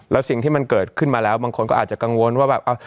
แล้วสิ่งที่มันเกิดขึ้นมาแล้วบางคนก็อาจจะกังวลว่าแบบ